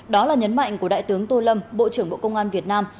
đó là nhấn mạnh của đại tướng tô lâm bộ trưởng bộ công an việt nam